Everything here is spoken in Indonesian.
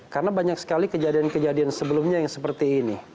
karena banyak sekali kejadian kejadian sebelumnya yang seperti ini